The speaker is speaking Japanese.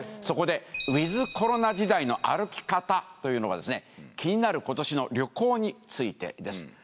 そこでウィズコロナ時代の歩き方というのはですね気になる今年の旅行についてです。